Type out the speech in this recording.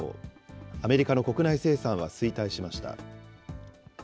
アメリカの国内生産は衰退しました。